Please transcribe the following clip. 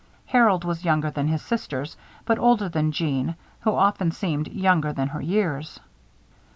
Harold was younger than his sisters but older than Jeanne, who often seemed younger than her years.